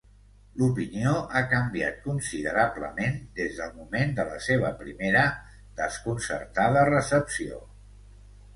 L'opinió ha canviat considerablement des del moment de la seva primera desconcertada recepció.